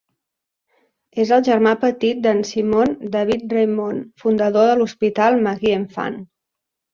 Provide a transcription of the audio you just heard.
És el germà petit de Simone David-Raymond fundador de l'Hospital Marie-Enfant.